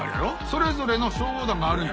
それぞれの消防団があるんやて。